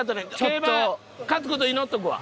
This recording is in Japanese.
競馬勝つ事祈っとくわ。